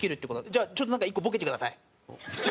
じゃあちょっとなんか１個ボケてください。